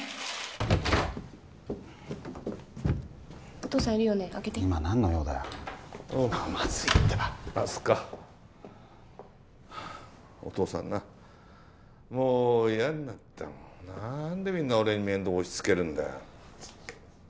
お父さんいるよね開けて今何の用だよ今はまずいってば明日香お父さんなもう嫌になったなんでみんな俺に面倒押しつけるんだよ